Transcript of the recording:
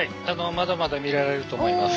まだまだ見られると思います。